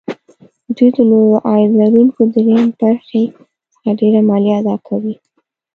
دوی د نورو عاید لرونکو دریم برخې څخه ډېره مالیه اداکوي